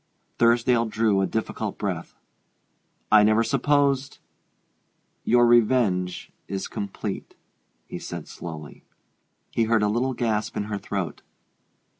Thursdale drew a difficult breath. "I never supposed your revenge is complete," he said slowly. He heard a little gasp in her throat.